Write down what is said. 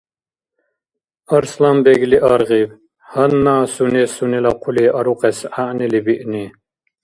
Арсланбегли аргъиб, гьанна сунес сунела хъули арукьес гӀягӀнили биъни.